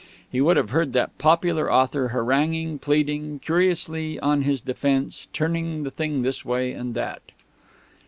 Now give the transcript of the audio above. He would have heard that popular author haranguing, pleading, curiously on his defence, turning the thing this way and that.